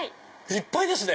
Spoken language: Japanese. いっぱいですね。